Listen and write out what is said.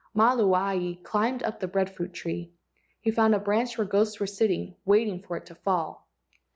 Maluae climbed up the breadfruit tree. He found a branch where ghosts were sitting waiting for it to fall.